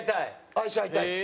愛し合いたいです。